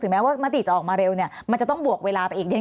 แม้ว่ามติจะออกมาเร็วเนี่ยมันจะต้องบวกเวลาไปอีกนิด